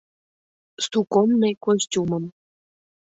— Суконный костюмым.